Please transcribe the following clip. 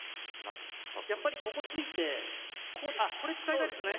やっぱりここ突いてこれ使いたいですね。